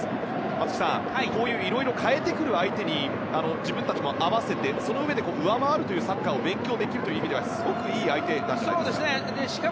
松木さん、いろいろ変えてくる相手に自分たちも合わせてそのうえで上回るというサッカーを勉強できるという意味ではすごくいい相手じゃないですか。